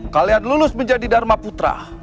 kalian lulus menjadi dharma putra